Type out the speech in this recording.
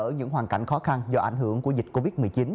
giúp đỡ những hoàn cảnh khó khăn do ảnh hưởng của dịch covid một mươi chín